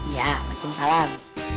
iya makasih salam